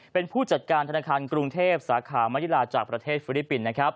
เป็นผู้จัดการธนาคารกรุงเทพสาขามนิลาจากประเทศฟิลิปปินส์